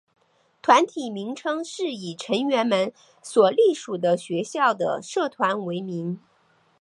团体名称是以成员们所隶属的学校的社团为名。